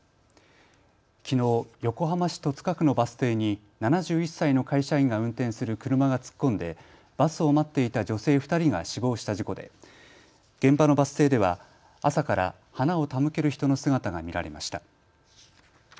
きのう、横浜市戸塚区のバス停に７１歳の会社員が運転する車が突っ込んでバスを待っていた女性２人が死亡した事故で現場のバス停では朝から花を手向ける人の姿が見られました。